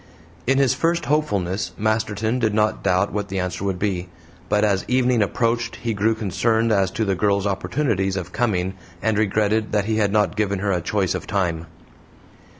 In his first hopefulness Masterton did not doubt what the answer would be, but as evening approached he grew concerned as to the girl's opportunities of coming, and regretted that he had not given her a choice of time.